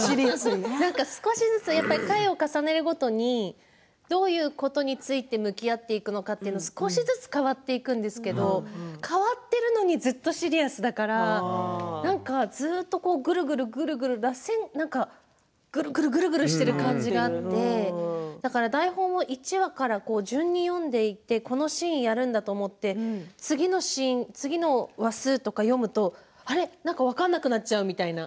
少しずつ回を重ねるごとにどういうことについて向き合っていくのかというのも少しずつ変わっていくんですけど変わっているのにずっとシリアスだからなんかずっと、ぐるぐるぐるぐるぐるぐるしている感じがあって台本を１話から順に読んでこのシーンをやるんだと思って次のシーン次の数とか見るとなんか分かんなくなっちゃうとか。